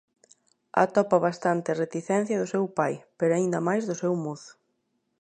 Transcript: Atopa bastante reticencia do seu pai, pero aínda máis do seu mozo.